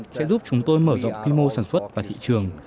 sẽ giúp chúng tôi mở rộng quy mô sản xuất và thị trường